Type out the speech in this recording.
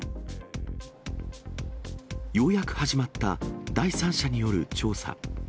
ようやく始まった第三者による調査。